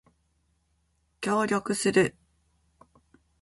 協力する